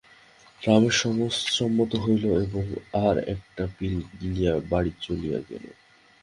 রমেশ সম্মত হইল এবং আর-একটা পিল গিলিয়া বাড়ি চলিয়া গেল।